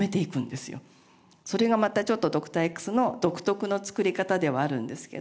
それがまたちょっと『Ｄｏｃｔｏｒ−Ｘ』の独特の作り方ではあるんですけど。